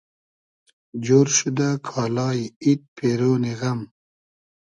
جۉر شودۂ کالای اید پېرۉنی غئم